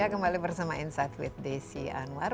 kembali bersama insight with desi anwar